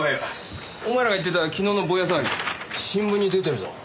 お前らがいってた昨日のぼや騒ぎ新聞に出てるぞ。